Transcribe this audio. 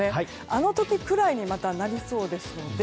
あの時くらいにまたなりそうですので。